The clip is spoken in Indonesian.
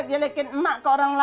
mendingan kita makan aja